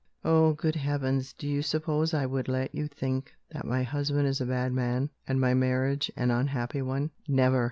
Oh, good Heavens, do you suppose I would let you think that my husband is a bad man, and my marriage an unhappy one? Never!